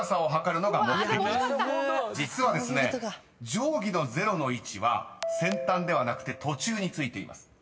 定規のゼロの位置は先端ではなくて途中についています］